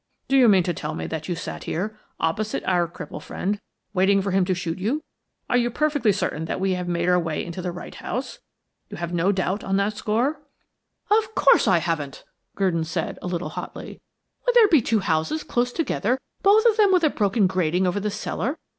Do you mean to tell me that you sat here, opposite our cripple friend, waiting for him to shoot you? Are you perfectly certain that we have made our way into the right house? You have no doubt on that score?" "Of course, I haven't," Gurdon said, a little hotly. "Would there be two houses close together, both of them with a broken grating over the cellar?